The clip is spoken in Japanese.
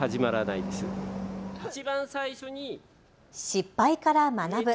失敗から学ぶ。